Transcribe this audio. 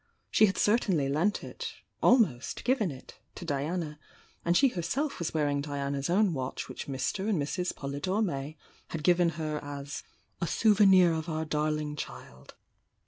She had cer tainly lent it — almost given it — to Diana, and she herself was wearing Diana's own watch which Mr. and Mrs. Polydore May had given her as "a souve nir of our darling child!"